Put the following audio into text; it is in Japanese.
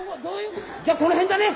じゃあこの辺だね？